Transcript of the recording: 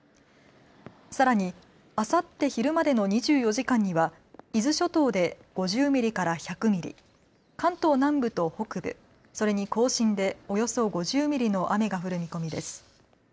さらに、あさって昼までの２４時間には伊豆諸島で５０ミリから１００ミリ関東南部と北部、それに甲信でおよそ５０ミリの雨が降る見込みです。